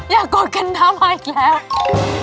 อย่ากดกันนับอีกแล้ว